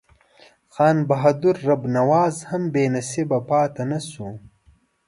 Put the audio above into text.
خان بهادر رب نواز هم بې نصیبه پاته نه شو.